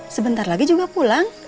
sebentar lagi juga pulang